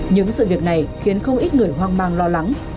những sự việc này khiến không ít người hoang mang lo lắng